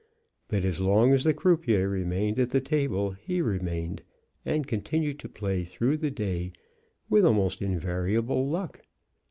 But as long as the croupier remained at the table he remained, and continued to play through the day with almost invariable luck.